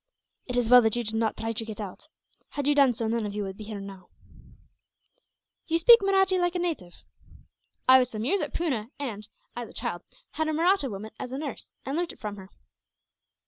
"It is well that you did not try to get out. Had you done so, none of you would be here now. "You speak Mahratti like a native." "I was some years at Poona and, as a child, had a Mahratta woman as a nurse, and learnt it from her."